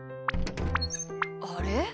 あれ？